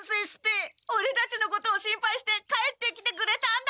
オレたちのことを心配して帰ってきてくれたんだ！？